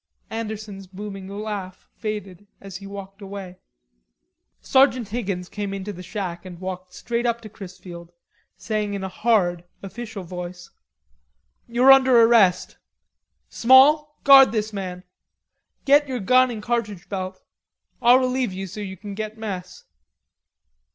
Andersen's booming laugh faded as he walked away. Sergeant Higgins came into the shack and walked straight up to Chrisfield, saying in a hard official voice: "You're under arrest.... Small, guard this man; get your gun and cartridge belt. I'll relieve you so you can get mess."